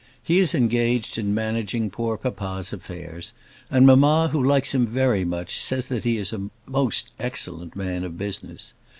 He is engaged in managing poor papa's affairs, and mamma, who likes him very much, says that he is a most excellent man of business.